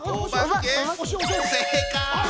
正解！